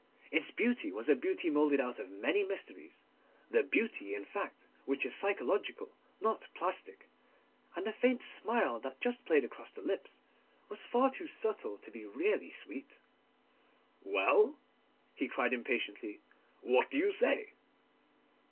Its beauty was a beauty moulded out of many mysteries—the beauty, in fact, which is psychological, not plastic—and the faint smile that just played across the lips was far too subtle to be really sweet. 'Well,' he cried impatiently, 'what do you say?